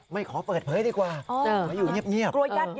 ไม่ขอเปิดเผยดีกว่าอยู่เงียบ